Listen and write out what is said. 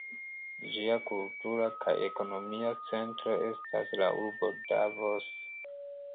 Ĝia kultura kaj ekonomia centro estas la urbo Davos.